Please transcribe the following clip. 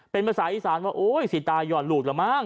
เป็นภาษาอีสานว่าโอ้ยสีตายหย่อนหลุดละมั้ง